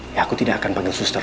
ya aku tidak akan panggil suster